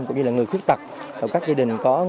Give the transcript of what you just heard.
cũng như là người khuyết tặc các gia đình có